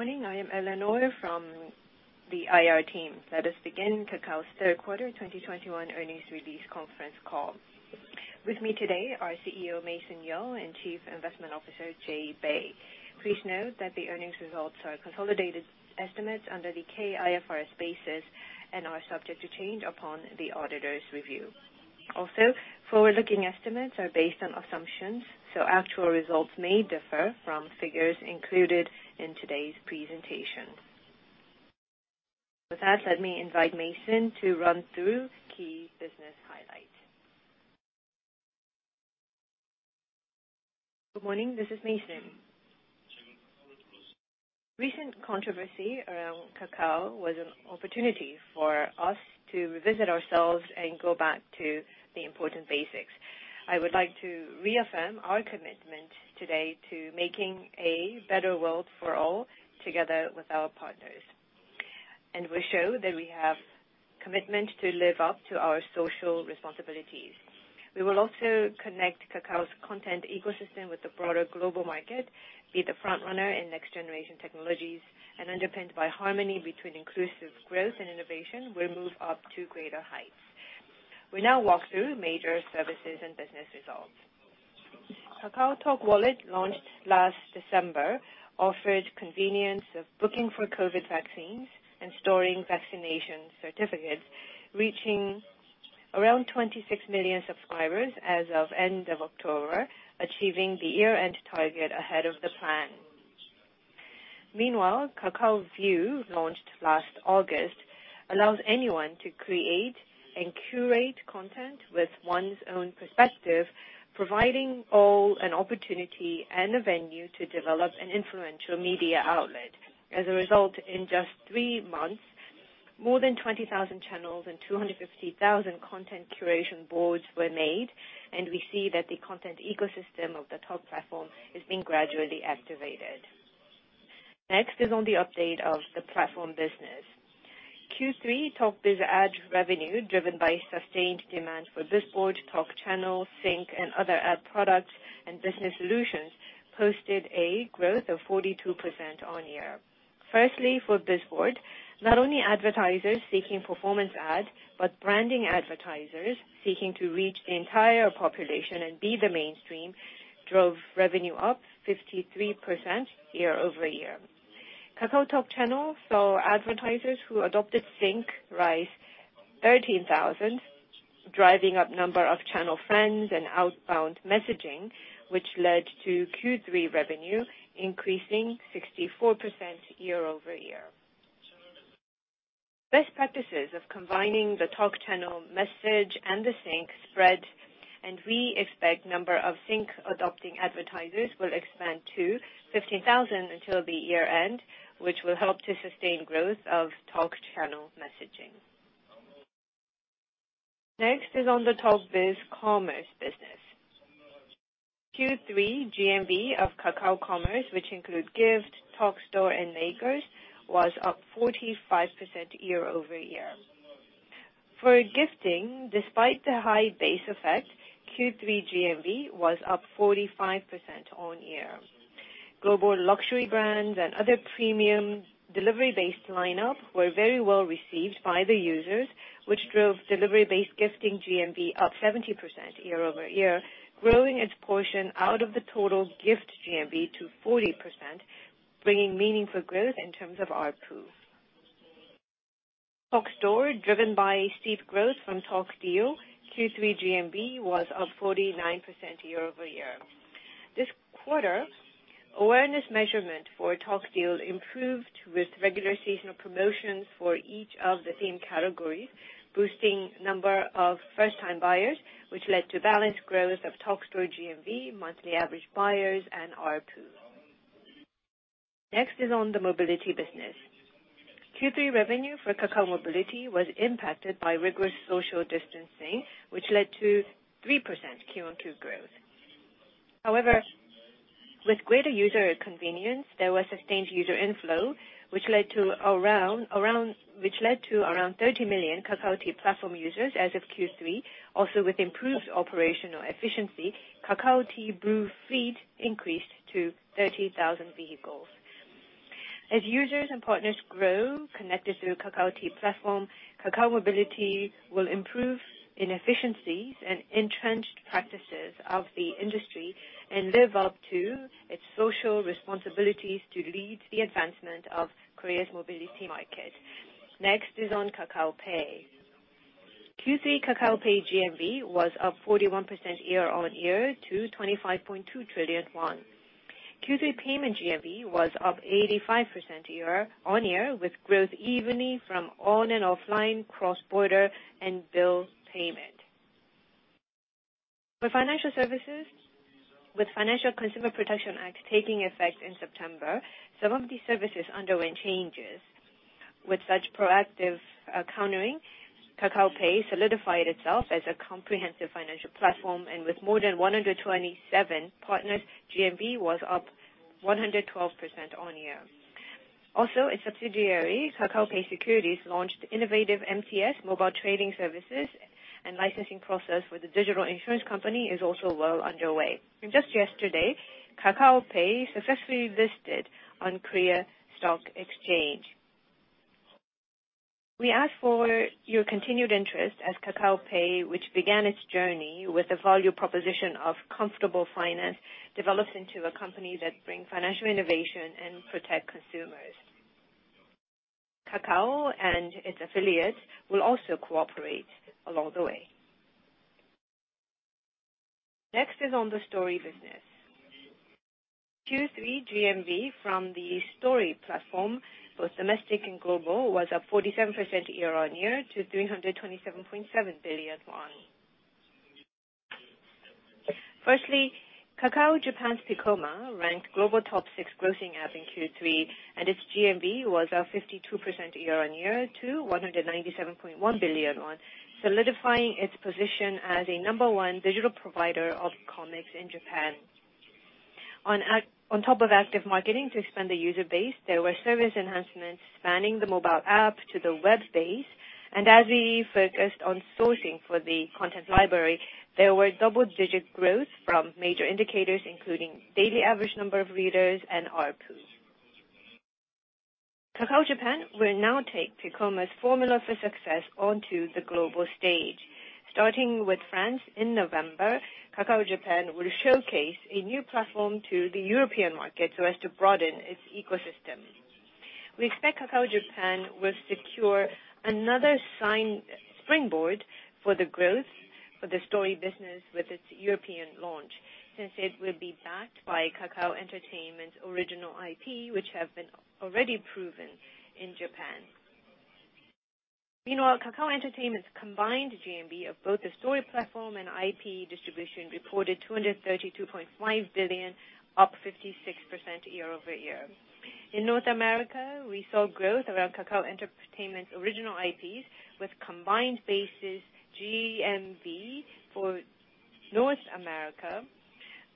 Good morning. I am Eleanor from the IR team. Let us begin Kakao's third quarter 2021 earnings release conference call. With me today are CEO Mason Yeo and Chief Investment Officer Jae Bae. Please note that the earnings results are consolidated estimates under the KIFRS basis and are subject to change upon the auditor's review. Also, forward-looking estimates are based on assumptions, so actual results may differ from figures included in today's presentation. With that, let me invite Mason to run through key business highlights. Good morning, this is Mason. Recent controversy around Kakao was an opportunity for us to revisit ourselves and go back to the important basics. I would like to reaffirm our commitment today to making a better world for all together with our partners, and we show that we have commitment to live up to our social responsibilities. We will also connect Kakao's content ecosystem with the broader global market, be the front runner in next generation technologies, and underpinned by harmony between inclusive growth and innovation, we move up to greater heights. We now walk through major services and business results. KakaoTalk Wallet, launched last December, offered convenience of booking for COVID vaccines and storing vaccination certificates, reaching around 26 million subscribers as of end of October, achieving the year-end target ahead of the plan. Meanwhile, Kakao View, launched last August, allows anyone to create and curate content with one's own perspective, providing all an opportunity and a venue to develop an influential media outlet. As a result, in just three months, more than 20,000 channels and 250,000 content curation boards were made, and we see that the content ecosystem of the Talk platform is being gradually activated. Next is on the update of the platform business. Q3 Talk Biz ad revenue, driven by sustained demand for Biz Board, Talk Channel, Sync and other ad products and business solutions, posted a growth of 42% year-over-year. Firstly, for Biz Board, not only advertisers seeking performance ads, but branding advertisers seeking to reach the entire population and be the mainstream drove revenue up 53% year-over-year. KakaoTalk Channel saw advertisers who adopted Sync rise 13,000, driving up number of channel friends and outbound messaging, which led to Q3 revenue increasing 64% year-over-year. Best practices of combining the Talk Channel message and the Sync spread, and we expect number of Sync adopting advertisers will expand to 15,000 until the year-end, which will help to sustain growth of Talk Channel messaging. Next is on the Talk Biz Commerce business. Q3 GMV of Kakao Commerce, which include Gift, TalkStore and Makers, was up 45% year-over-year. For gifting, despite the high base effect, Q3 GMV was up 45% year-over-year. Global luxury brands and other premium delivery-based lineup were very well received by the users, which drove delivery-based gifting GMV up 70% year-over-year, growing its portion out of the total gift GMV to 40%, bringing meaningful growth in terms of ARPU. TalkStore, driven by steep growth from TalkDeal, Q3 GMV was up 49% year-over-year. This quarter, awareness measurement for TalkDeal improved with regular seasonal promotions for each of the theme categories, boosting number of first time buyers, which led to balanced growth of TalkStore GMV, monthly average buyers and ARPU. Next is on the mobility business. Q3 revenue for Kakao Mobility was impacted by rigorous social distancing, which led to 3% Q-o-Q growth. However, with greater user convenience, there was sustained user inflow which led to around 30 million Kakao T platform users as of Q3. Also, with improved operational efficiency, Kakao T Blue fleet increased to 30,000 vehicles. As users and partners grow connected through Kakao T platform, Kakao Mobility will improve inefficiencies and entrenched practices of the industry and live up to its social responsibilities to lead the advancement of Korea's mobility market. Next is on KakaoPay. Q3 KakaoPay GMV was up 41% year-on-year to 25.2 trillion won. Q3 payment GMV was up 85% year-on-year, with growth evenly from online and offline cross-border and bill payment. For financial services, with Financial Consumer Protection Act taking effect in September, some of these services underwent changes. With such proactive countering, KakaoPay solidified itself as a comprehensive financial platform, and with more than 127 partners, GMV was up 112% year-on-year. Also, a subsidiary, KakaoPay Securities, launched innovative MTS mobile trading services. Licensing process with the digital insurance company is also well underway. Just yesterday, KakaoPay successfully listed on Korea Exchange. We ask for your continued interest as KakaoPay, which began its journey with the value proposition of comfortable finance, develops into a company that bring financial innovation and protect consumers. Kakao and its affiliates will also cooperate along the way. Next is on the story business. Q3 GMV from the story platform, both domestic and global, was up 47% year-on-year to 327.7 billion won. Firstly, Kakao Japan's Piccoma ranked global top six grossing app in Q3, and its GMV was up 52% year-on-year to 197.1 billion, solidifying its position as a number one digital provider of comics in Japan. On top of active marketing to expand the user base, there were service enhancements spanning the mobile app to the web space, and as we focused on sourcing for the content library, there were double-digit growth from major indicators, including daily average number of readers and ARPU. Kakao Japan will now take Piccoma's formula for success onto the global stage. Starting with France in November, Kakao Japan will showcase a new platform to the European market so as to broaden its ecosystem. We expect Kakao Japan will secure another springboard for the growth of the story business with its European launch, since it will be backed by Kakao Entertainment original IP, which have been already proven in Japan. Meanwhile, Kakao Entertainment's combined GMV of both the story platform and IP distribution reported 232.5 billion, up 56% year-over-year. In North America, we saw growth around Kakao Entertainment original IPs with combined basis GMV for North America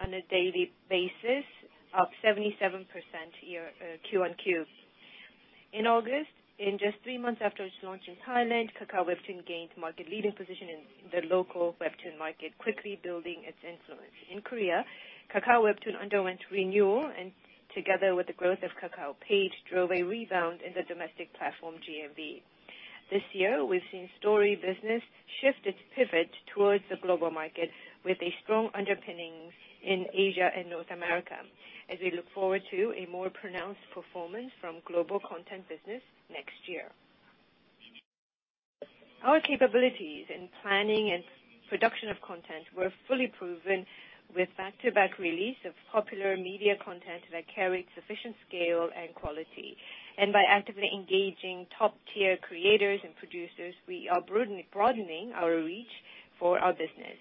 on a daily basis up 77% year-over-year, quarter-over-quarter. In August, in just three months after its launch in Thailand, Kakao Webtoon gained market leading position in the local webtoon market, quickly building its influence. In Korea, Kakao Webtoon underwent renewal and together with the growth of Kakao Page, drove a rebound in the domestic platform GMV. This year, we've seen story business shift its pivot towards the global market with a strong underpinning in Asia and North America, as we look forward to a more pronounced performance from global content business next year. Our capabilities in planning and production of content were fully proven with back-to-back release of popular media content that carried sufficient scale and quality. By actively engaging top-tier creators and producers, we are broadening our reach for our business.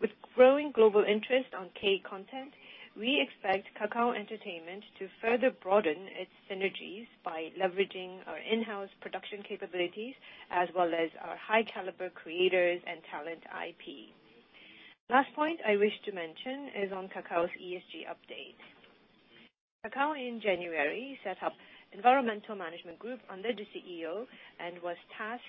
With growing global interest on K content, we expect Kakao Entertainment to further broaden its synergies by leveraging our in-house production capabilities as well as our high caliber creators and talent IP. Last point I wish to mention is on Kakao's ESG update. Kakao in January set up environmental management group under the CEO and was tasked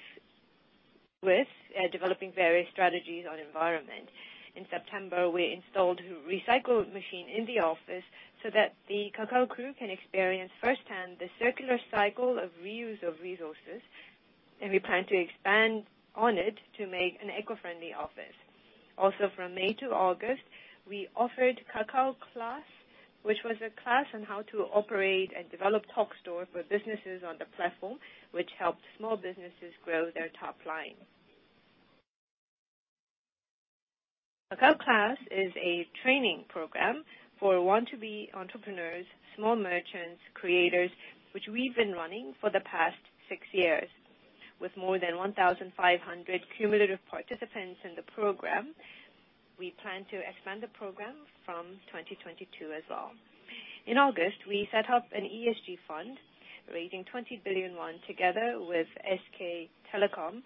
with developing various strategies on environment. In September, we installed recycling machine in the office so that the Kakao crew can experience firsthand the circular cycle of reuse of resources, and we plan to expand on it to make an eco-friendly office. From May to August, we offered Kakao Class, which was a class on how to operate and develop Talk Store for businesses on the platform, which helped small businesses grow their top line. Kakao Class is a training program for want-to-be entrepreneurs, small merchants, creators, which we've been running for the past six years. With more than 1,500 cumulative participants in the program, we plan to expand the program from 2022 as well. In August, we set up an ESG fund raising 20 billion won together with SK Telecom,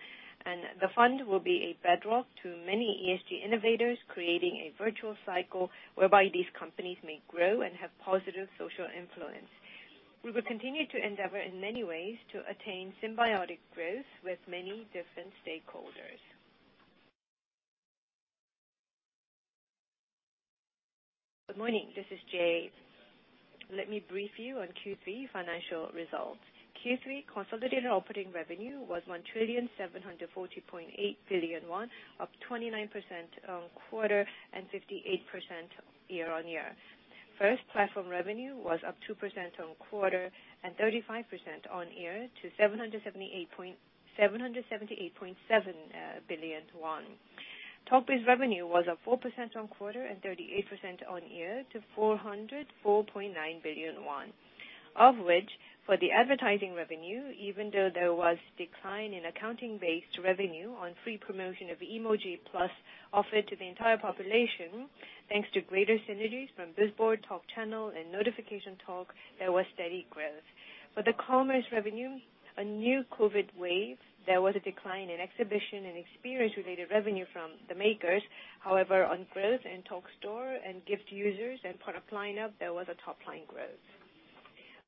and the fund will be a bedrock to many ESG innovators, creating a virtual cycle whereby these companies may grow and have positive social influence. We will continue to endeavor in many ways to attain symbiotic growth with many different stakeholders. Good morning, this is Jae. Let me brief you on Q3 financial results. Q3 consolidated operating revenue was 1,740.8 billion, up 29% on quarter and 58% year-on-year. First platform revenue was up 2% on quarter and 35% on year to 778.7 billion won. Talk Biz revenue was up 4% on quarter and 38% on year to 404.9 billion won. Of which, for the advertising revenue, even though there was a decline in accounting-based revenue on free promotion of Emoticon Plus offered to the entire population, thanks to greater synergies from Bizboard, Talk Channel, and AlimTalk, there was steady growth. For the commerce revenue, a new COVID wave, there was a decline in exhibition and experience related revenue from the Makers. However, on growth in Talk Store and Gift users and product lineup, there was top-line growth.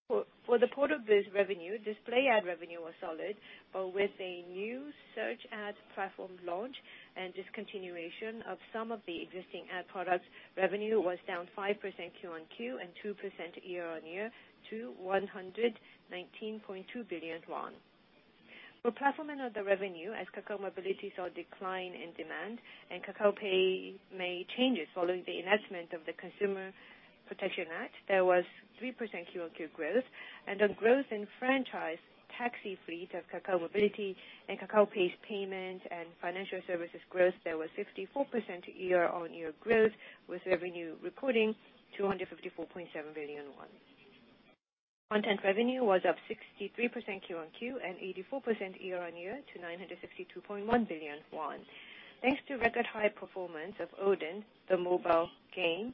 For the quarter Biz revenue, display ad revenue was solid, but with a new search ad platform launch and discontinuation of some of the existing ad products, revenue was down 5% Q-on-Q and 2% year-on-year to 119.2 billion won. For platform and other revenue, as Kakao Mobility saw a decline in demand and KakaoPay made changes following the enactment of the Financial Consumer Protection Act, there was 3% quarter-on-quarter growth and a growth in franchise taxi fleet of Kakao Mobility and KakaoPay's payment and financial services growth. There was 54% year-on-year growth, with revenue recording 254.7 billion. Content revenue was up 63% quarter-on-quarter and 84% year-on-year to 962.1 billion won. Thanks to record high performance of Odin, the mobile game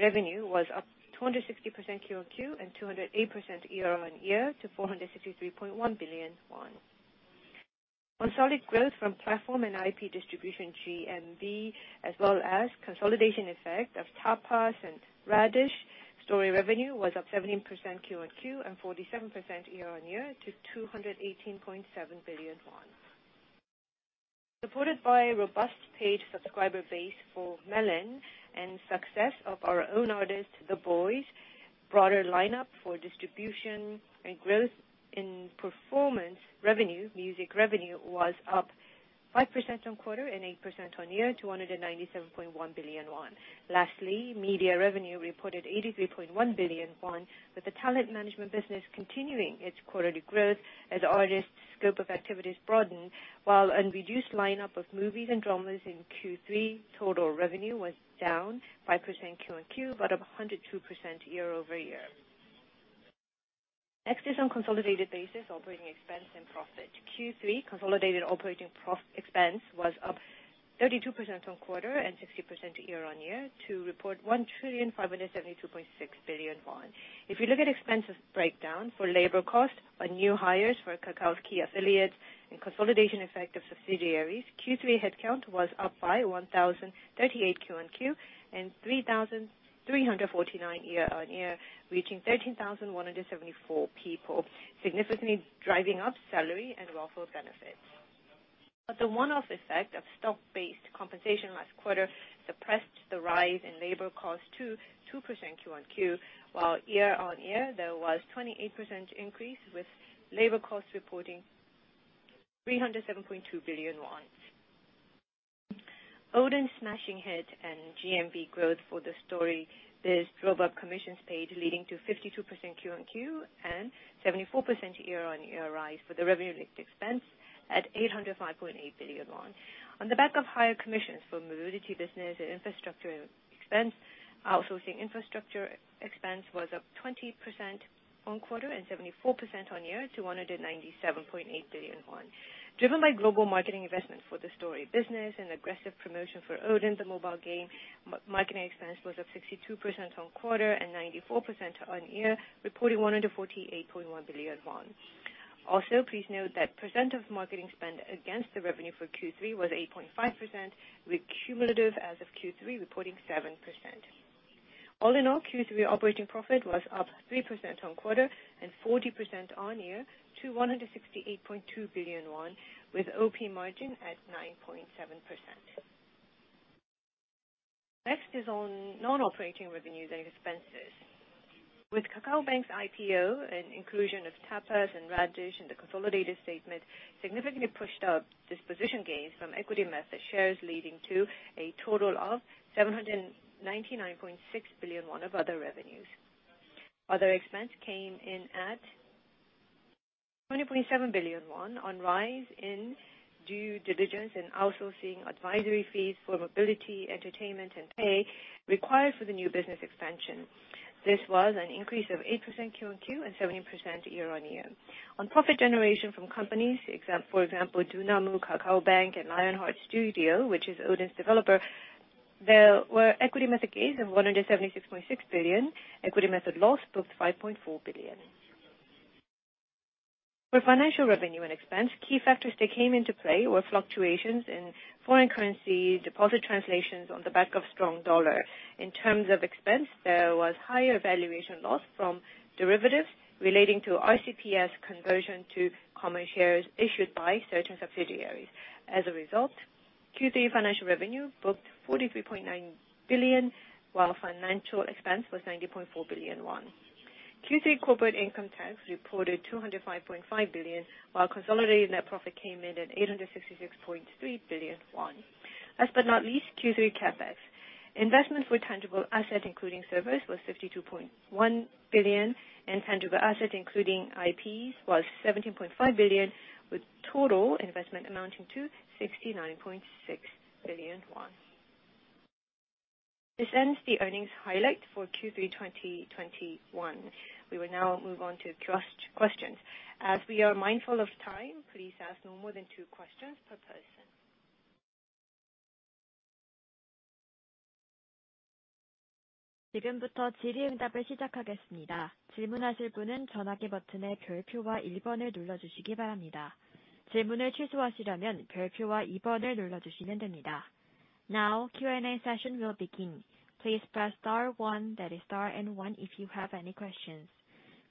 revenue was up 260% quarter-on-quarter and 208% year-on-year to 463.1 billion won. On solid growth from platform and IP distribution GMV, as well as consolidation effect of Tapas and Radish, story revenue was up 17% quarter-on-quarter and 47% year-on-year to 218.7 billion won. Supported by a robust paid subscriber base for Melon and success of our own artist, THE BOYZ, broader lineup for distribution and growth in performance revenue, music revenue was up 5% quarter-on-quarter and 8% year-on-year to 297.1 billion won. Lastly, media revenue reported 83.1 billion won, with the talent management business continuing its quarterly growth as artists' scope of activities broadened. While a reduced lineup of movies and dramas in Q3, total revenue was down 5% quarter-on-quarter, but up 102% year-over-year. Next is on consolidated basis, operating expense and profit. Q3 consolidated operating expense was up 32% quarter-on-quarter and 60% year-on-year to report 1,572.6 billion won. If you look at expense breakdown for labor cost on new hires for Kakao's key affiliates and consolidation effect of subsidiaries, Q3 headcount was up by 1,038 quarter-on-quarter and 3,349 year-on-year, reaching 13,174 people, significantly driving up salary and welfare benefits. The one-off effect of stock-based compensation last quarter suppressed the rise in labor cost to 2% quarter-on-quarter, while year-on-year, there was 28% increase, with labor costs reporting KRW 307.2 billion. Odin's smashing hit and GMV growth for the story biz drove up commissions paid, leading to 52% Q-on-Q and 74% year-on-year rise for the revenue linked expense at 805.8 billion won. On the back of higher commissions for mobility business and infrastructure expense, outsourcing infrastructure expense was up 20% on quarter and 74% on year to 197.8 billion won. Driven by global marketing investment for the story business and aggressive promotion for Odin, the mobile game, marketing expense was up 62% on quarter and 94% on year, reporting 148.1 billion won. Also, please note that % of marketing spend against the revenue for Q3 was 8.5%, with cumulative as of Q3 reporting 7%. All in all, Q3 operating profit was up 3% quarter-on-quarter and 40% year-on-year to 168.2 billion won, with OP margin at 9.7%. Next, on non-operating revenues and expenses. With Kakao Bank's IPO and inclusion of Tapas and Radish in the consolidated statement, significantly pushed up disposition gains from equity method shares, leading to a total of 799.6 billion won of other revenues. Other expense came in at 20.7 billion won on rise in due diligence and outsourcing advisory fees for mobility, entertainment, and pay required for the new business expansion. This was an increase of 8% quarter-on-quarter and 17% year-on-year. On profit generation from companies, for example, Dunamu, Kakao Bank, and Lionheart Studio, which is Odin's developer, there were equity method gains of 176.6 billion. Equity method loss booked 5.4 billion. For financial revenue and expense, key factors that came into play were fluctuations in foreign currency deposit translations on the back of strong dollar. In terms of expense, there was higher valuation loss from derivatives relating to RCPS conversion to common shares issued by certain subsidiaries. As a result, Q3 financial revenue booked 43.9 billion, while financial expense was 90.4 billion won. Q3 corporate income tax reported 205.5 billion, while consolidated net profit came in at 866.3 billion won. Last but not least, Q3 CapEx. Investment for tangible assets, including servers, was 52.1 billion, and tangible assets, including IPs, was 17.5 billion, with total investment amounting to 69.6 billion won. This ends the earnings highlight for Q3 2021. We will now move on to the Q&A. As we are mindful of time, please ask no more than two questions per person. Now Q&A session will begin. Please press star one, that is star and one if you have any questions.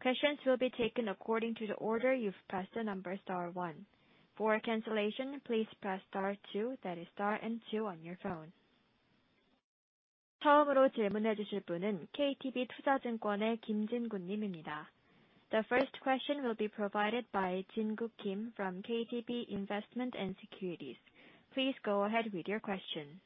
Questions will be taken according to the order you've pressed the number star one. For cancellation, please press star two, that is star and two on your phone. The first question will be provided by Kim Jin-gu from KTB Investment & Securities. Please go ahead with your question.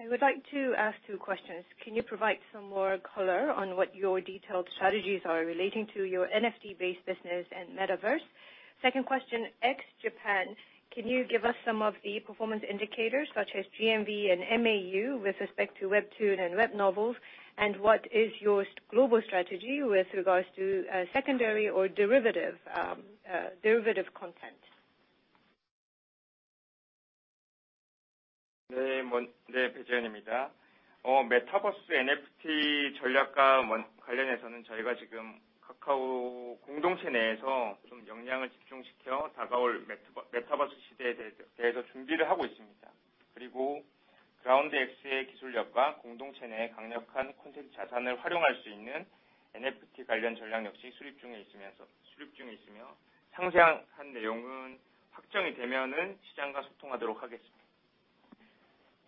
I would like to ask two questions. Can you provide some more color on what your detailed strategies are relating to your NFT based business and Metaverse? Second question, ex-Japan, can you give us some of the performance indicators such as GMV and MAU with respect to Webtoon and Web Novels? What is your global strategy with regards to secondary or derivative content?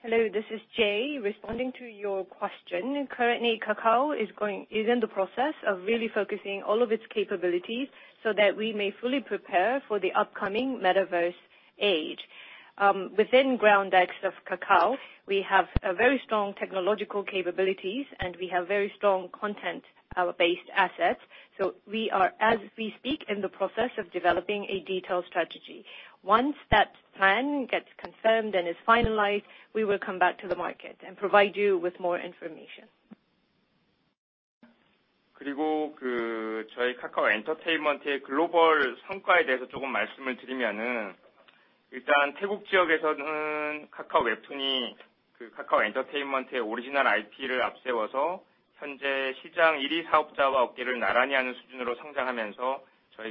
Hello, this is Jae. Responding to your question, currently Kakao is in the process of really focusing all of its capabilities so that we may fully prepare for the upcoming Metaverse age. Within Ground X of Kakao, we have very strong technological capabilities, and we have very strong content-based assets. We are, as we speak, in the process of developing a detailed strategy. Once that plan gets confirmed and is finalized, we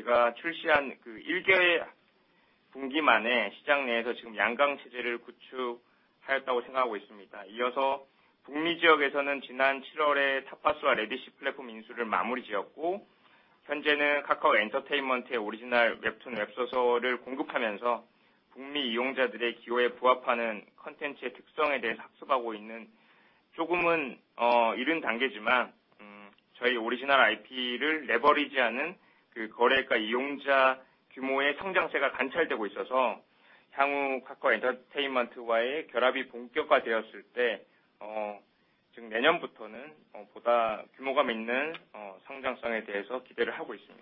will come back to the market and provide you with more information.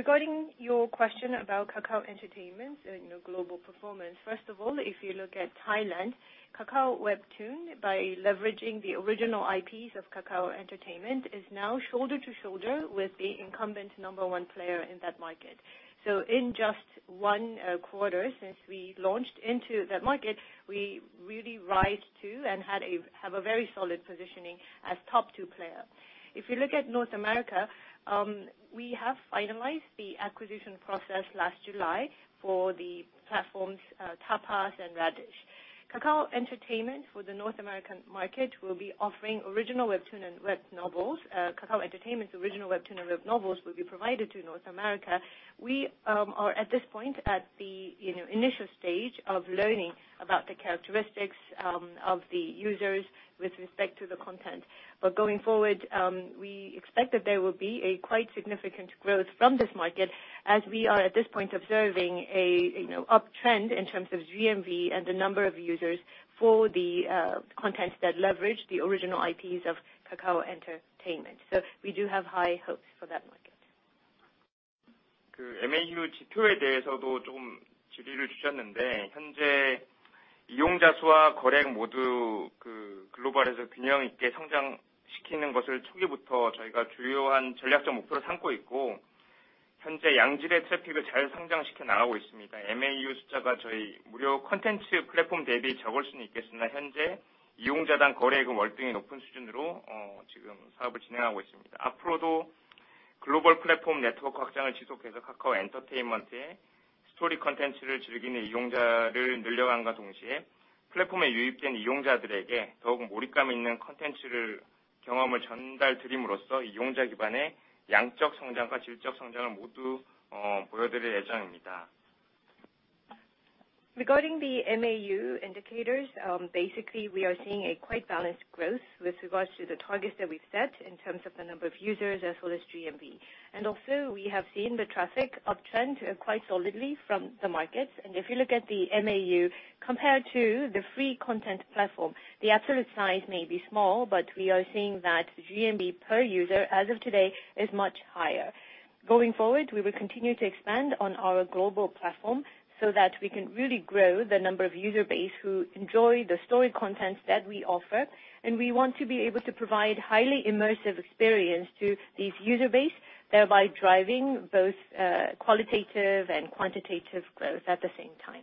Regarding your question about Kakao Entertainment and, you know, global performance. First of all, if you look at Thailand, Kakao Webtoon by leveraging the original IPs of Kakao Entertainment, is now shoulder to shoulder with the incumbent number one player in that market. In just one quarter since we launched into that market, we really rose to and have a very solid positioning as top two player. If you look at North America, we have finalized the acquisition process last July for the platforms, Tapas and Radish. Kakao Entertainment for the North American market will be offering original webtoons and web novels. Kakao Entertainment's original webtoons and web novels will be provided to North America. We are at this point, at the, you know, initial stage of learning about the characteristics of the users with respect to the content. Going forward, we expect that there will be a quite significant growth from this market as we are at this point observing an uptrend in terms of GMV and the number of users for the content that leverage the original IPs of Kakao Entertainment. We do have high hopes for that market. Regarding the MAU indicators, we are seeing a quite balanced growth with regards to the targets that we've set in terms of the number of users as well as GMV. We have seen the traffic uptrend quite solidly from the markets. If you look at the MAU compared to the free content platform, the absolute size may be small, but we are seeing that GMV per user as of today is much higher. Going forward, we will continue to expand on our global platform so that we can really grow the number of user base who enjoy the story content that we offer, and we want to be able to provide highly immersive experience to these user base, thereby driving both qualitative and quantitative growth at the same time.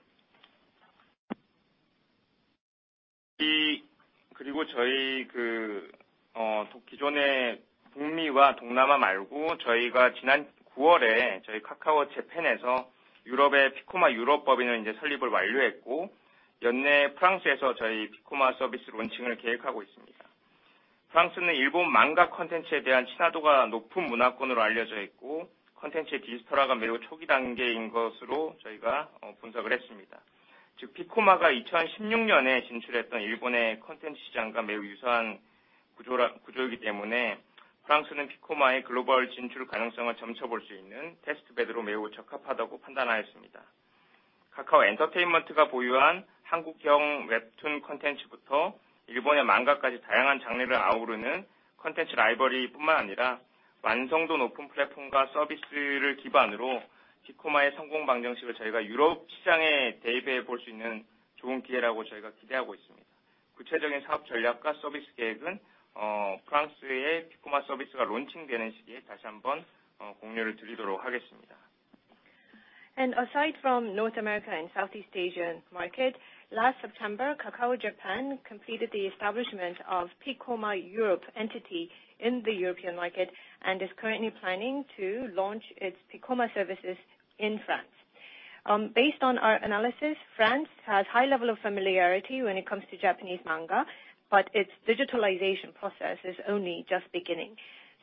Aside from North America and Southeast Asian market, last September, Kakao Japan completed the establishment of Piccoma Europe entity in the European market, and is currently planning to launch its Piccoma services in France. Based on our analysis, France has high level of familiarity when it comes to Japanese manga, but its digitalization process is only just beginning.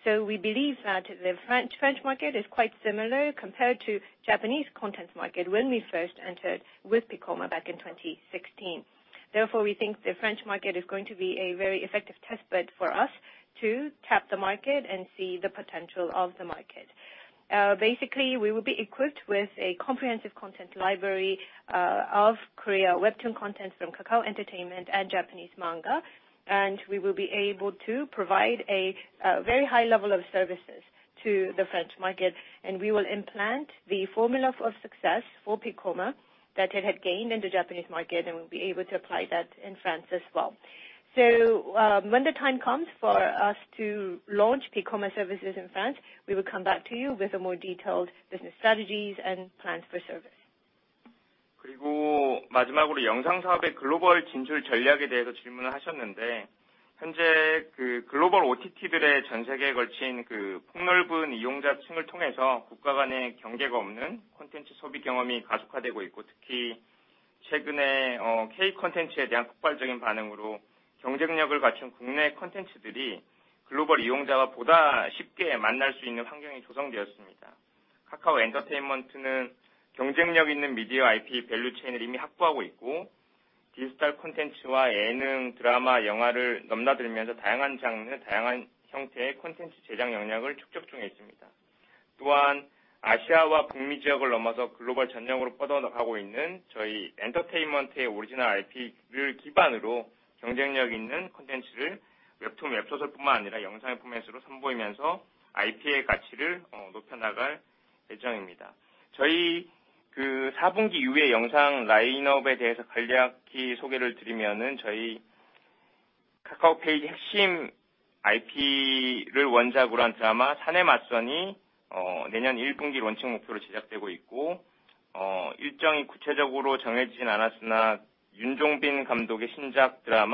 We believe that the French market is quite similar compared to Japanese content market when we first entered with Piccoma back in 2016. Therefore, we think the French market is going to be a very effective test bed for us to tap the market and see the potential of the market. Basically, we will be equipped with a comprehensive content library of Korean webtoon content from Kakao Entertainment and Japanese manga, and we will be able to provide a very high level of services to the French market, and we will implement the formula for success for Piccoma that it had gained in the Japanese market, and we'll be able to apply that in France as well. When the time comes for us to launch Piccoma services in France, we will come back to you with more detailed business strategies and plans for service.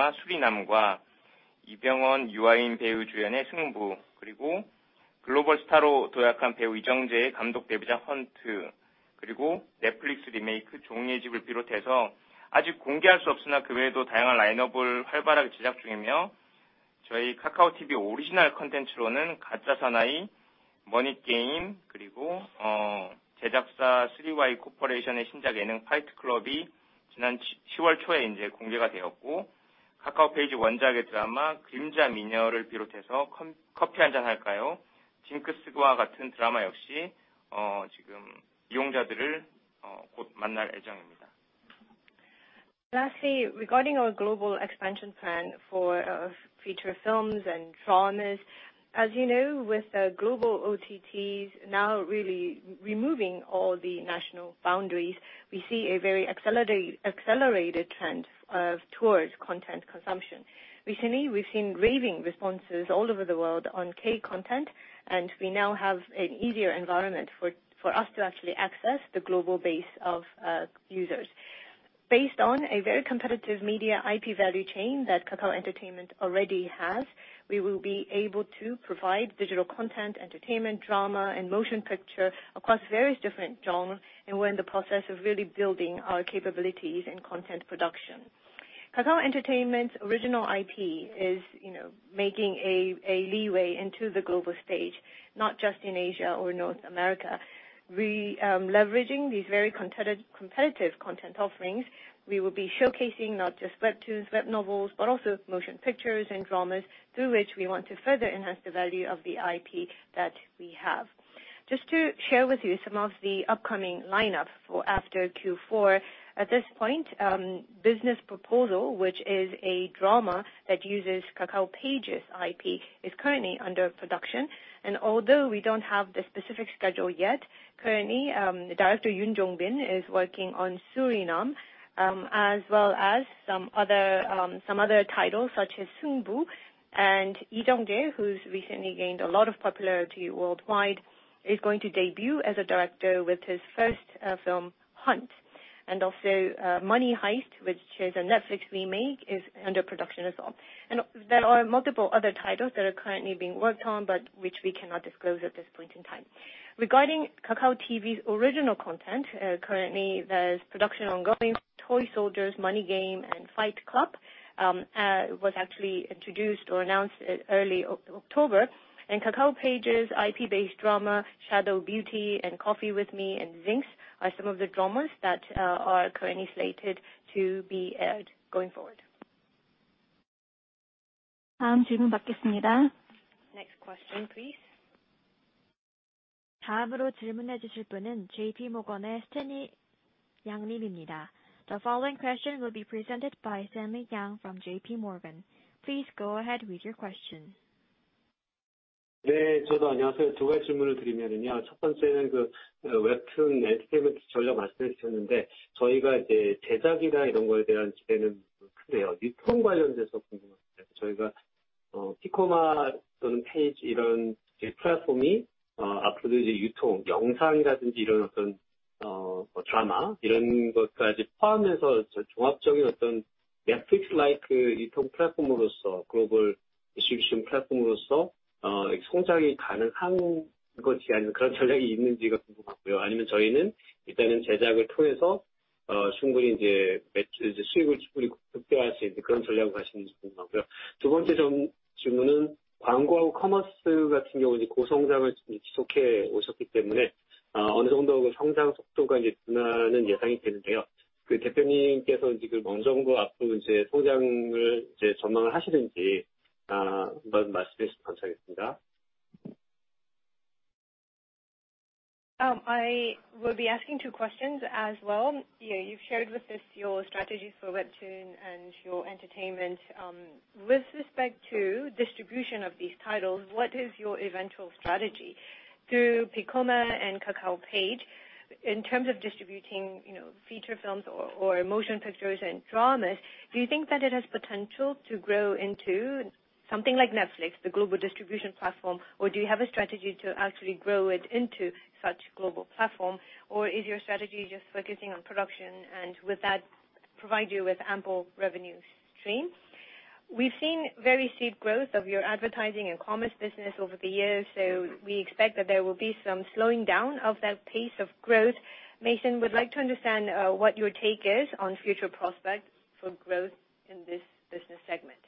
Lastly, regarding our global expansion plan for feature films and dramas, as you know, with the global OTTs now really removing all the national boundaries, we see a very accelerated trend towards content consumption. Recently, we've seen raving responses all over the world on K content, and we now have an easier environment for us to actually access the global base of users. Based on a very competitive media IP value chain that Kakao Entertainment already has, we will be able to provide digital content, entertainment, drama, and motion picture across various different genres, and we're in the process of really building our capabilities in content production. Kakao Entertainment's original IP is, you know, making a headway into the global stage, not just in Asia or North America. We, leveraging these very content-competitive content offerings, we will be showcasing not just webtoons, web novels, but also motion pictures and dramas through which we want to further enhance the value of the IP that we have. Just to share with you some of the upcoming lineup for after Q4. At this point, Business Proposal, which is a drama that uses Kakao Page's IP, is currently under production. Although we don't have the specific schedule yet, currently, the director, Yoon Jong-bin, is working on Suriname, as well as some other titles such as Seungbu and Lee Jung-jae, who's recently gained a lot of popularity worldwide, is going to debut as a director with his first film, Hunt. Also, Money Heist, which is a Netflix remake, is under production as well. There are multiple other titles that are currently being worked on, but which we cannot disclose at this point in time. Regarding Kakao TV's original content, currently, there's production ongoing, Toy Soldiers, Money Game, and Fight Club, was actually introduced or announced early October. Kakao Page's IP-based drama, Shadow Beauty and Coffee With Me and Jinx are some of the dramas that are currently slated to be aired going forward. Next question, please. The following question will be presented by Stanley Yang from JP Morgan. Please go ahead with your question. I will be asking two questions as well. Yeah, you've shared with us your strategies for Webtoon and your entertainment. With respect to distribution of these titles, what is your eventual strategy? Through Piccoma and Kakao Page, in terms of distributing, you know, feature films or motion pictures and dramas, do you think that it has potential to grow into something like Netflix, the global distribution platform? Or do you have a strategy to actually grow it into such global platform? Or is your strategy just focusing on production, and would that provide you with ample revenue stream? We've seen very steep growth of your advertising and commerce business over the years, so we expect that there will be some slowing down of that pace of growth. Mason we would like to understand what your take is on future prospects for growth in this business segment.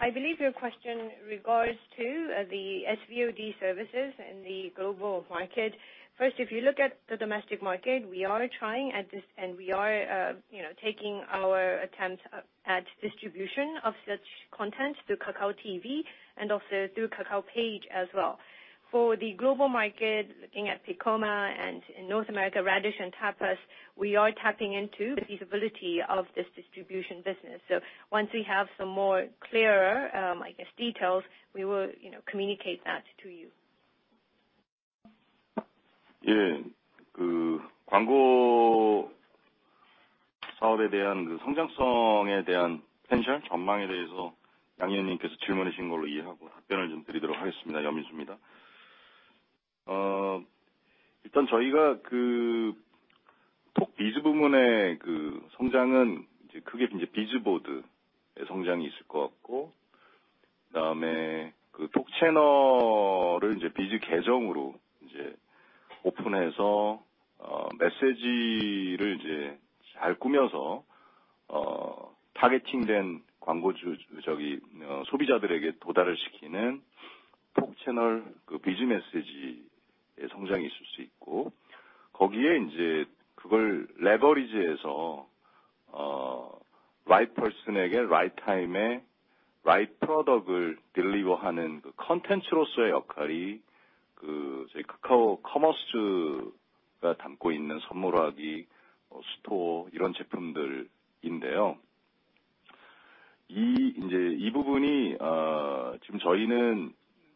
I believe your question regards to the SVOD services in the global market. First, if you look at the domestic market, we are trying at this, and we are, you know, taking our attempts at distribution of such content through Kakao TV and also through Kakao Page as well. For the global market, looking at Piccoma, and in North America, Radish and Tapas, we are tapping into the feasibility of this distribution business. Once we have some more clearer, I guess, details, we will, you know, communicate that to you.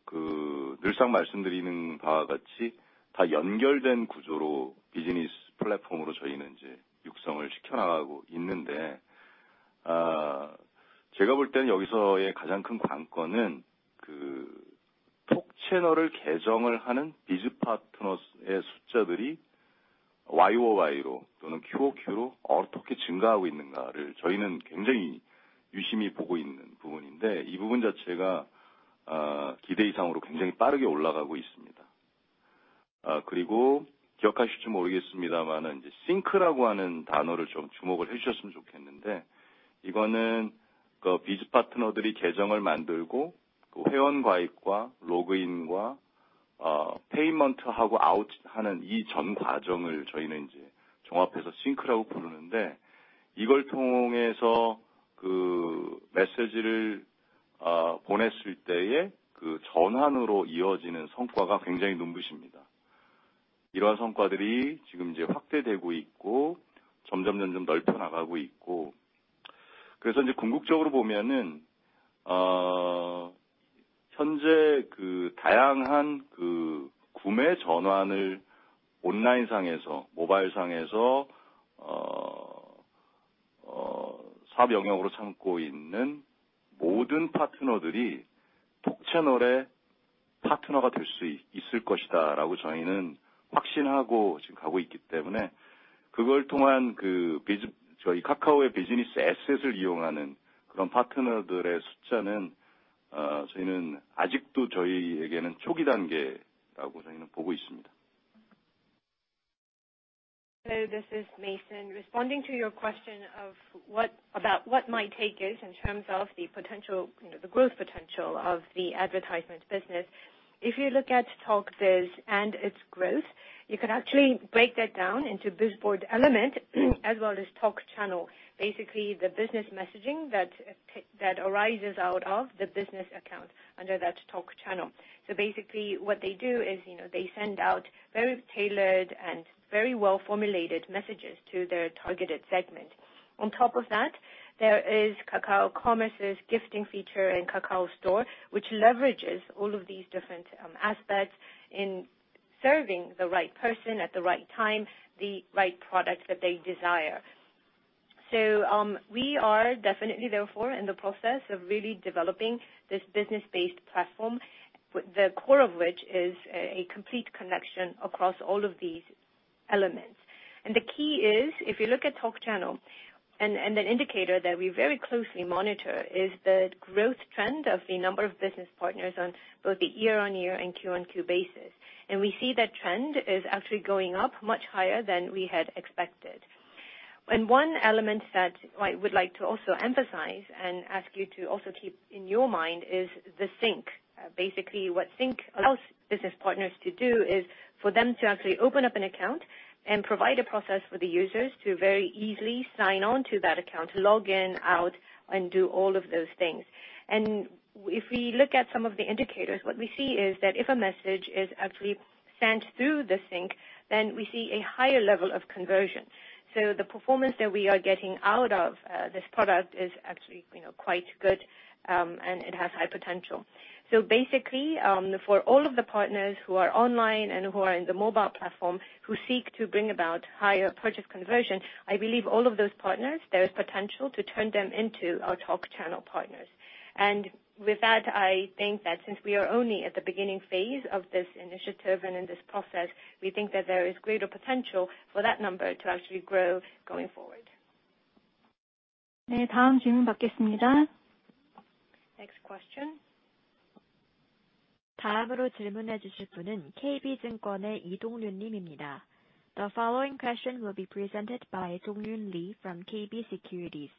Yeah, This is Mason. Responding to your question about what my take is in terms of the potential, you know, the growth potential of the advertisement business. If you look at Talk Biz and its growth, you can actually break that down into Bizboard element as well as Talk Channel. Basically, the business messaging that arises out of the business account under that Talk Channel. Basically, what they do is, you know, they send out very tailored and very well formulated messages to their targeted segment. On top of that, there is Kakao Commerce's gifting feature in Kakao Store, which leverages all of these different aspects in serving the right person at the right time, the right product that they desire. We are definitely therefore in the process of really developing this business-based platform, the core of which is a complete connection across all of these elements. The key is, if you look at Talk Channel, an indicator that we very closely monitor is the growth trend of the number of business partners on both the year-on-year and Q-on-Q basis. We see that trend is actually going up much higher than we had expected. One element that I would like to also emphasize and ask you to also keep in your mind is the Sync. Basically, what Sync allows business partners to do is for them to actually open up an account and provide a process for the users to very easily sign on to that account, log in, out, and do all of those things. If we look at some of the indicators, what we see is that if a message is actually sent through the Sync, then we see a higher level of conversion. The performance that we are getting out of this product is actually, you know, quite good, and it has high potential. Basically, for all of the partners who are online and who are in the mobile platform who seek to bring about higher purchase conversion, I believe all of those partners, there is potential to turn them into our Talk Channel partners. With that, I think that since we are only at the beginning phase of this initiative and in this process, we think that there is greater potential for that number to actually grow going forward. Next question. The following question will be presented by Dong Yoon Lee from KB Securities.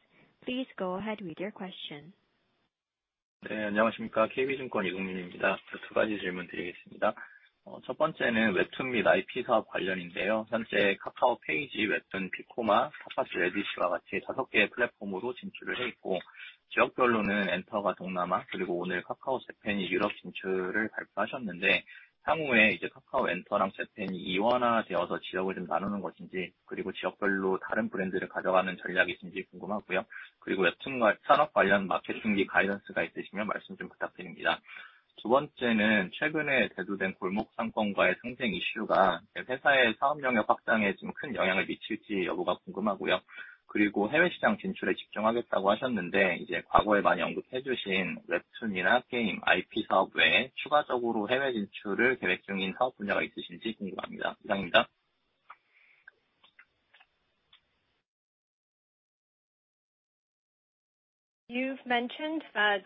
Please go ahead with your question. You've mentioned that,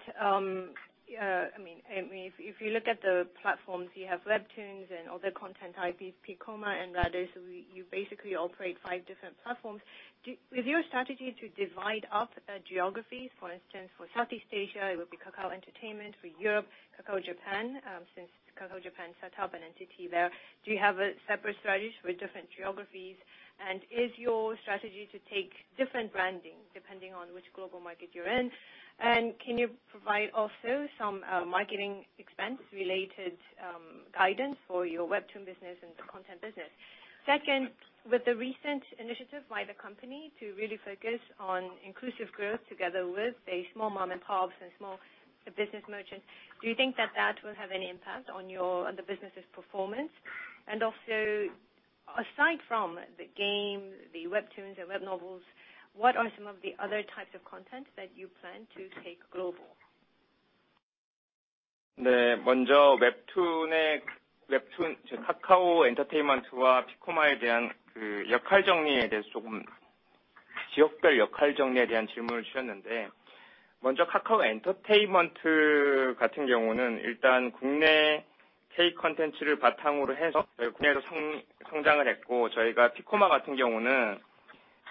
I mean, if you look at the platforms, you have webtoons and other content IPs, Piccoma and Radish, you basically operate five different platforms. Is your strategy to divide up geographies? For instance, for Southeast Asia, it would be Kakao Entertainment, for Europe, Kakao Japan, since Kakao Japan set up an entity there. Do you have a separate strategy for different geographies? Is your strategy to take different branding depending on which global market you're in? Can you provide also some marketing expense related guidance for your webtoon business and the content business? Second, with the recent initiative by the company to really focus on inclusive growth together with the small mom-and-pop and small business merchants, do you think that will have any impact on your, on the business' performance? And also- Aside from the game, the webtoons and web novels, what are some of the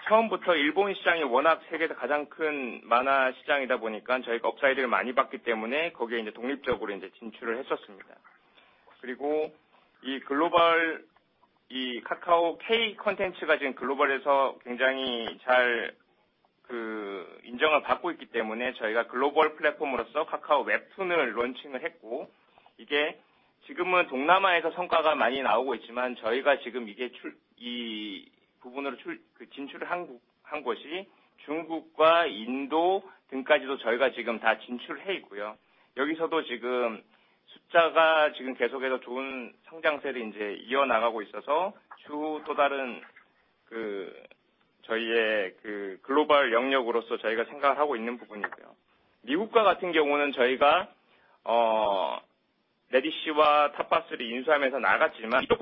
other types of content that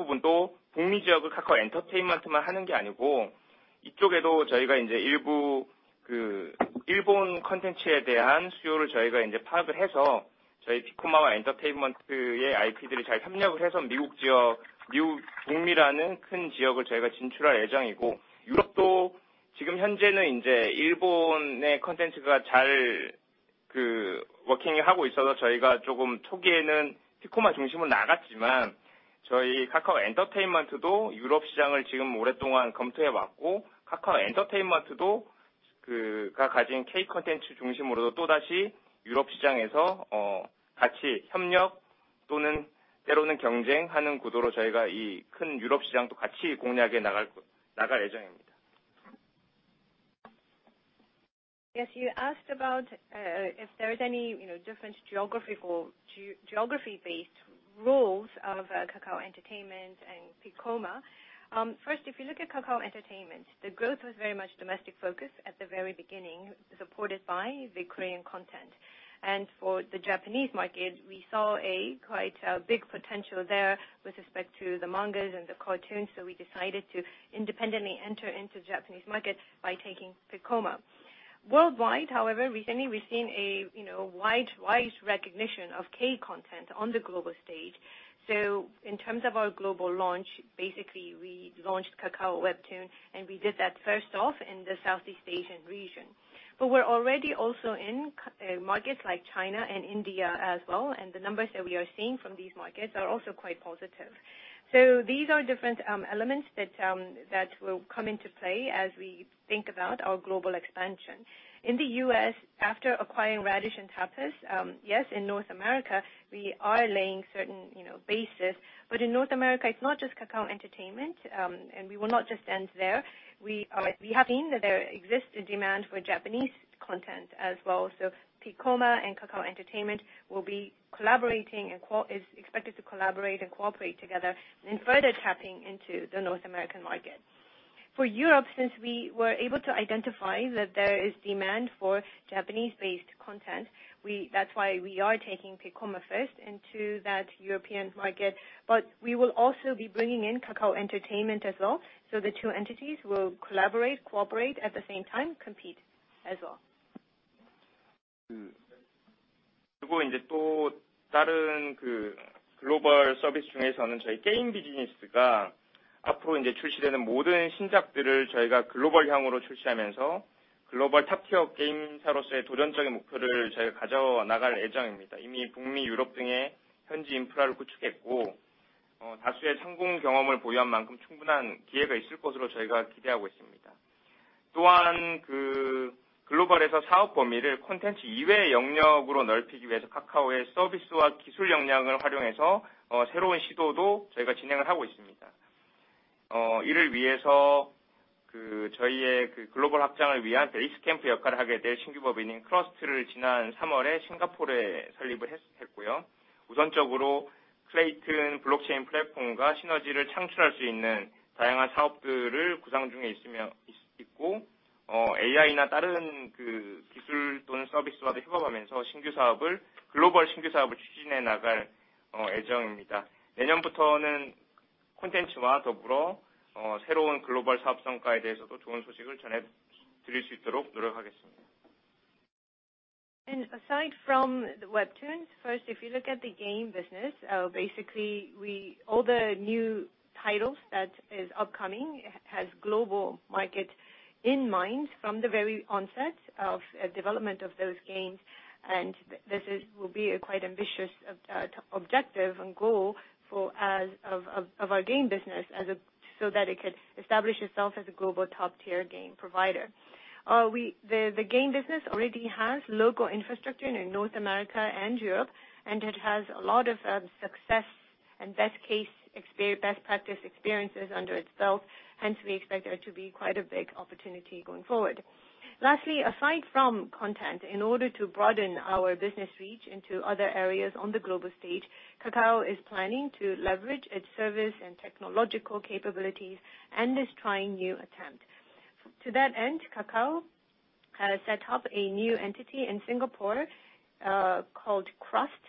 you plan to take global? Yes. You asked about if there is any, you know, different geography-based rules of Kakao Entertainment and Piccoma. First, if you look at Kakao Entertainment, the growth was very much domestic focused at the very beginning, supported by the Korean content. For the Japanese market, we saw a quite big potential there with respect to the mangas and the cartoons, so we decided to independently enter into Japanese market by taking Piccoma. Worldwide, however, recently we've seen a, you know, wide recognition of K-content on the global stage. In terms of our global launch, basically we launched Kakao Webtoon, and we did that first off in the Southeast Asian region. We're already also in markets like China and India as well, and the numbers that we are seeing from these markets are also quite positive. These are different elements that will come into play as we think about our global expansion. In the U.S., after acquiring Radish and Tapas, yes, in North America we are laying certain, you know, basis. In North America it's not just Kakao Entertainment, and we will not just end there. We have seen that there exists a demand for Japanese content as well, so Piccoma and Kakao Entertainment is expected to collaborate and cooperate together in further tapping into the North American market. For Europe, since we were able to identify that there is demand for Japanese-based content, that's why we are taking Piccoma first into that European market, but we will also be bringing in Kakao Entertainment as well, so the two entities will collaborate, cooperate, at the same time, compete as well. Aside from the webtoons, first, if you look at the game business, basically all the new titles that is upcoming has global market in mind from the very onset of development of those games. This will be a quite ambitious objective and goal for our game business so that it could establish itself as a global top-tier game provider. The game business already has local infrastructure in North America and Europe, and it has a lot of success and best practice experiences under itself. Hence, we expect there to be quite a big opportunity going forward. Lastly, aside from content, in order to broaden our business reach into other areas on the global stage, Kakao is planning to leverage its service and technological capabilities and is trying new attempt. To that end, Kakao has set up a new entity in Singapore, called Krust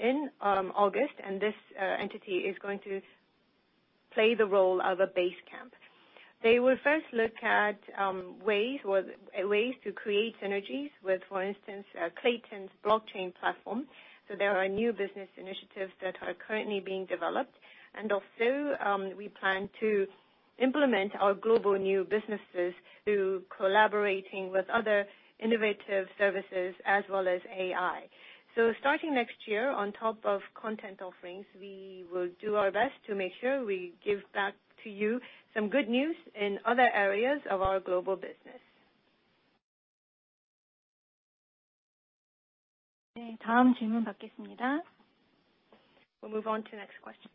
in August, and this entity is going to play the role of a base camp. They will first look at ways to create synergies with, for instance, Klaytn's blockchain platform. There are new business initiatives that are currently being developed. We plan to implement our global new businesses through collaborating with other innovative services as well as AI. Starting next year, on top of content offerings, we will do our best to make sure we give back to you some good news in other areas of our global business. We'll move on to the next question.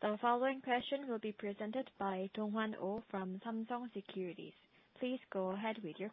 The following question will be presented by Donghwan Oh from Samsung Securities. Please go ahead with your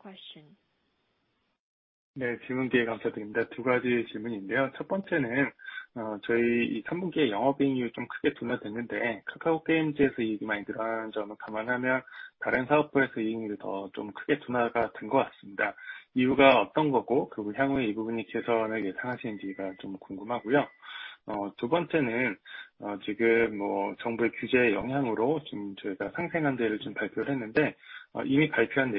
question.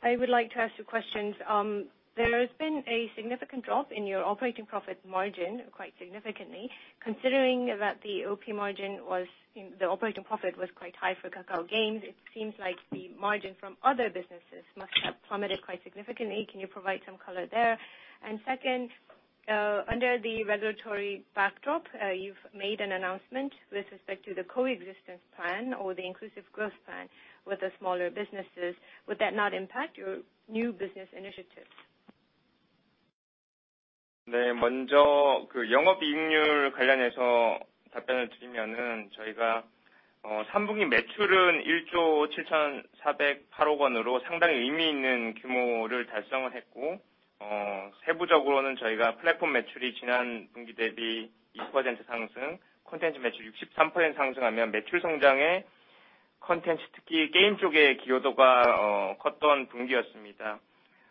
I would like to ask you questions. There has been a significant drop in your operating profit margin, quite significantly. Considering that the OP margin was, the operating profit was quite high for Kakao Games, it seems like the margin from other businesses must have plummeted quite significantly. Can you provide some color there? Second, under the regulatory backdrop, you've made an announcement with respect to the coexistence plan or the inclusive growth plan with the smaller businesses. Would that not impact your new business initiatives?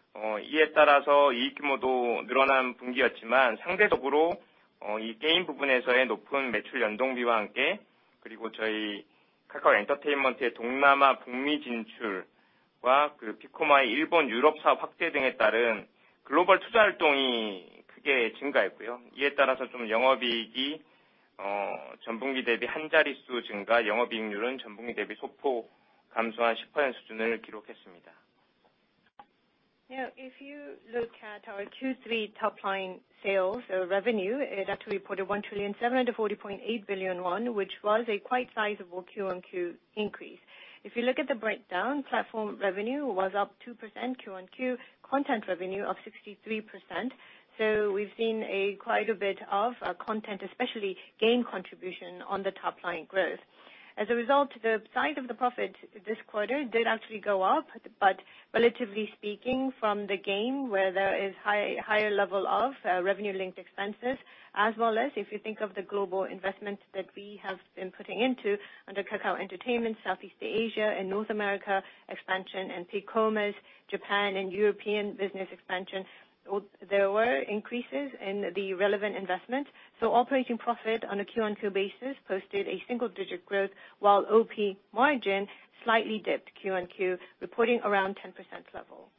Yeah, if you look at our Q3 top line sales or revenue, it actually reported 1,740.8 billion won, which was a quite sizable Q-on-Q increase. If you look at the breakdown, platform revenue was up 2% Q-on-Q, content revenue up 63%. We've seen quite a bit of content, especially game contribution on the top line growth. As a result, the size of the profit this quarter did actually go up. Relatively speaking from the game where there is higher level of revenue-linked expenses, as well as if you think of the global investments that we have been putting into under Kakao Entertainment, Southeast Asia and North America expansion, and Piccoma's Japan and European business expansion, there were increases in the relevant investment. Operating profit on a Q on Q basis posted a single-digit growth, while OP margin slightly dipped Q on Q, reporting around 10% level.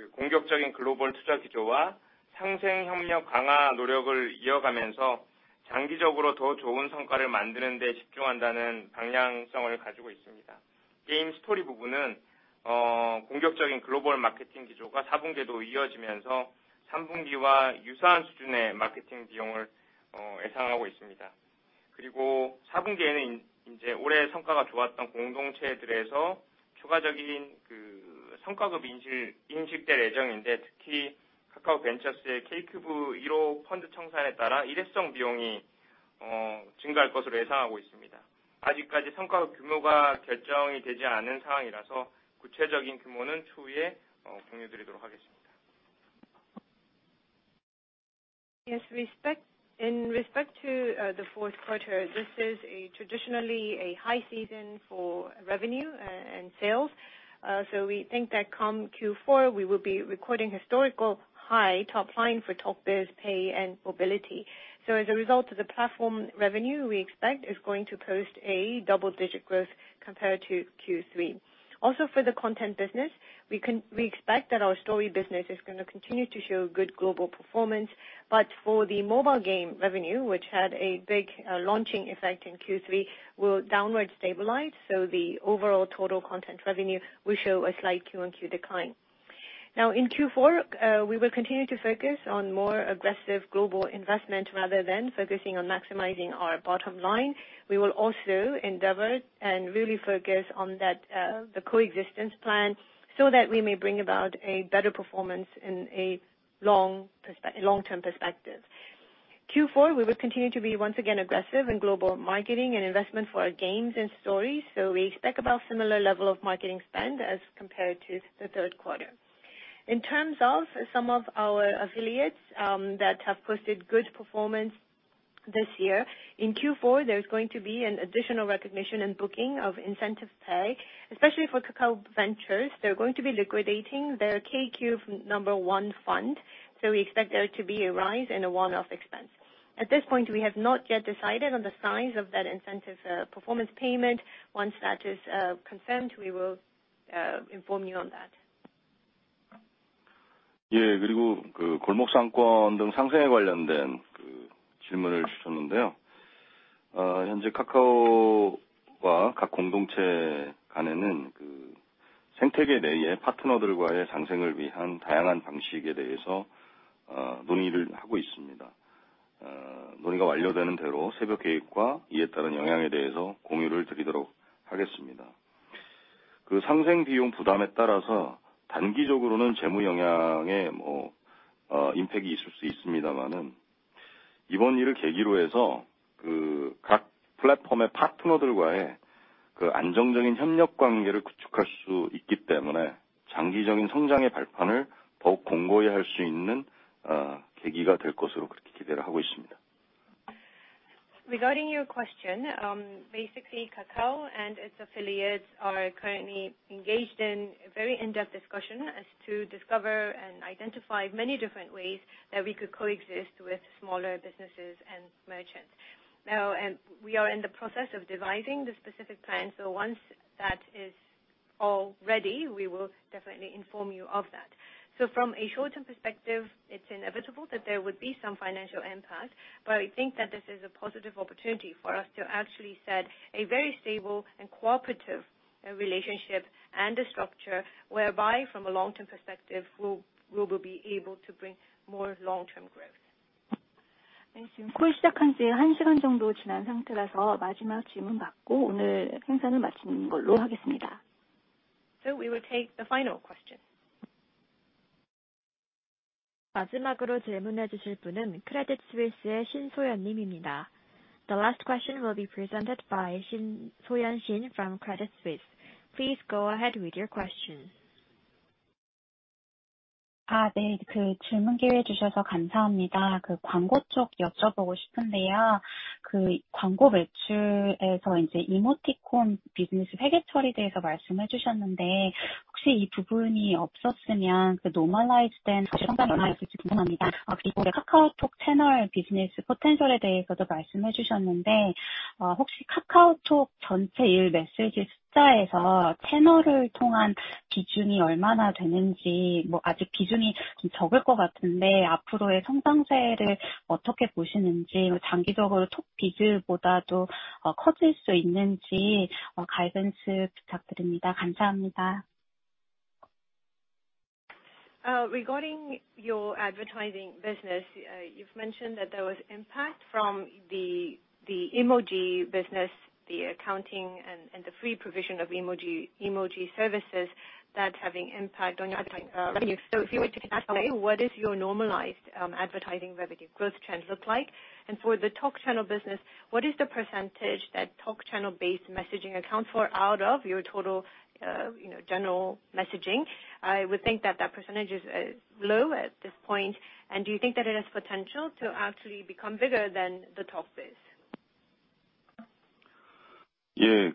With respect to the fourth quarter, this is traditionally a high season for revenue and sales. We think that come Q4, we will be recording historically high top line for Talk Biz, Pay and Mobility. As a result of the platform revenue, we expect it is going to post a double-digit growth compared to Q3. For the content business, we expect that our story business is gonna continue to show good global performance. For the mobile game revenue, which had a big launching effect in Q3, will downward stabilize. The overall total content revenue will show a slight Q-on-Q decline. Now in Q4, we will continue to focus on more aggressive global investment rather than focusing on maximizing our bottom line. We will also endeavor and really focus on the coexistence plan so that we may bring about a better performance in a long-term perspective. Q4, we will continue to be once again aggressive in global marketing and investment for our games and stories. We expect about similar level of marketing spend as compared to the third quarter. In terms of some of our affiliates that have posted good performance this year, in Q4, there's going to be an additional recognition and booking of incentive pay, especially for Kakao Ventures. They're going to be liquidating their KQ number one fund. We expect there to be a rise in a one off expense. At this point, we have not yet decided on the size of that incentive performance payment. Once that is confirmed, we will inform you on that. Yeah. Regarding your question, basically, Kakao and its affiliates are currently engaged in very in-depth discussion as to discover and identify many different ways that we could coexist with smaller businesses and merchants. Now, we are in the process of devising the specific plan, so once that is all ready, we will definitely inform you of that. From a short-term perspective, it's inevitable that there would be some financial impact. I think that this is a positive opportunity for us to actually set a very stable and cooperative relationship and a structure whereby from a long-term perspective, we will be able to bring more long-term growth. We will take the final question. The last question will be presented by Soyun Shin from Credit Suisse. Please go ahead with your question. Anyway, regarding your advertising business, you've mentioned that there was impact from the emoji business, the accounting and the free provision of emoji services that having impact on your advertising revenue. If you were to classify, what is your normalized advertising revenue growth trends look like? For the Talk Channel business, what is the percentage that Talk Channel-based messaging account for out of your total general messaging? I would think that that percentage is low at this point. Do you think that it has potential to actually become bigger than the Talk Biz? Yeah.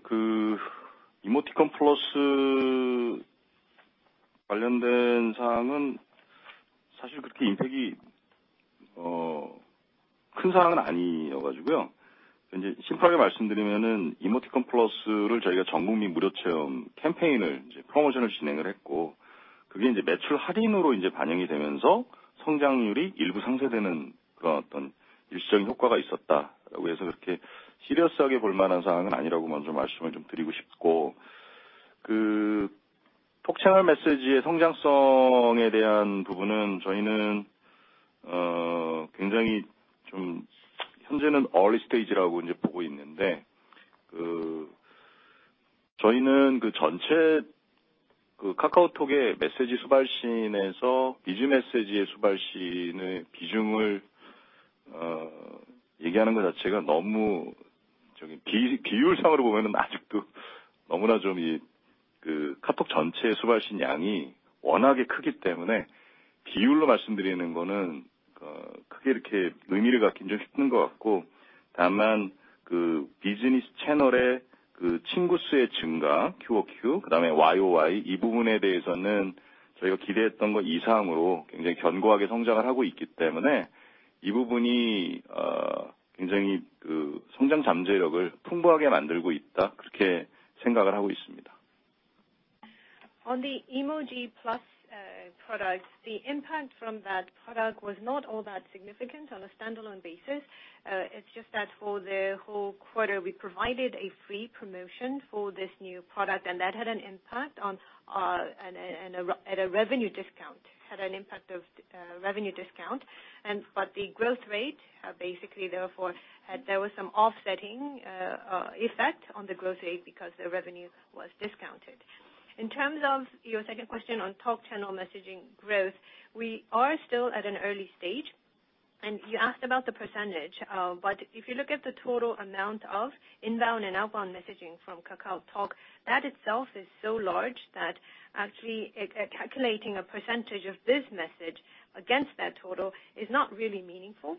On the Emoticon Plus product, the impact from that product was not all that significant on a standalone basis. It's just that for the whole quarter, we provided a free promotion for this new product, and that had an impact on a revenue discount. The growth rate basically therefore there was some offsetting effect on the growth rate because the revenue was discounted. In terms of your second question on Talk Channel messaging growth, we are still at an early stage, and you asked about the percentage. If you look at the total amount of inbound and outbound messaging from KakaoTalk, that itself is so large that actually calculating a percentage of this message against that total is not really meaningful.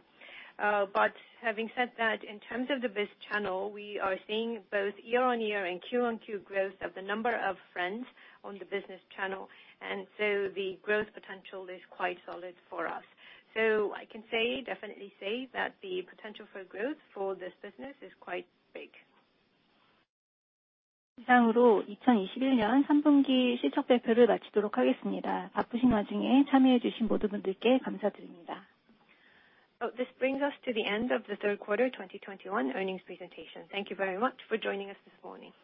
Having said that, in terms of the Biz channel, we are seeing both year-on-year and Q-on-Q growth of the number of friends on the business channel, and so the growth potential is quite solid for us. I can say, definitely say that the potential for growth for this business is quite big. Oh, this brings us to the end of the Q3 2021 earnings presentation. Thank you very much for joining us this morning.